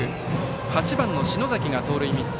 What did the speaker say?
８番の篠崎が盗塁３つ。